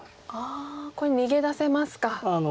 これ逃げ出せますか。